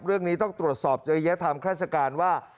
เรื่องนี้ต้องตรวจสอบจริยธรรมราชการว่า